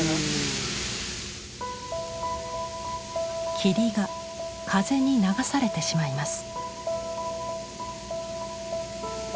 霧が風に流されてしまいます。